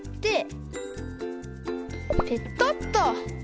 ペトッと。